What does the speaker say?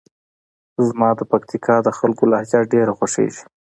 زما د پکتیکا د خلکو لهجه ډېره خوښیږي.